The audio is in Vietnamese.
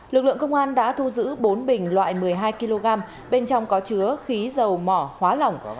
lực lượng công an đã thu giữ bốn bình loại một mươi hai kg bên trong có chứa khí dầu mỏ hóa lỏng